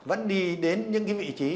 vẫn đi đến những cái vị trí